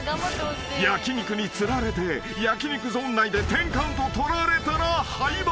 ［焼き肉につられて焼き肉ゾーン内で１０カウントを取られたら敗北］